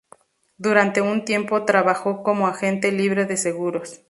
Durante un tiempo trabajó como agente libre de seguros.